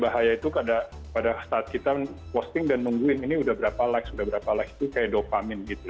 bahaya itu pada saat kita posting dan nungguin ini udah berapa likes udah berapa like itu kayak dopamin gitu